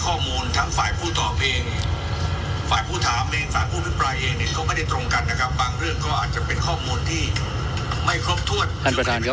เขาไม่ได้ตรงกันนะครับ